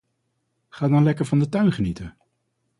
Ga dan lekker van de tuin genieten.